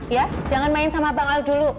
ya jangan main sama bang al dulu